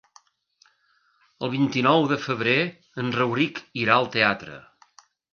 El vint-i-nou de febrer en Rauric irà al teatre.